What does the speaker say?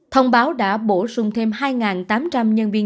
thông báo đã bổ sung thêm hai tám trăm linh nhân viên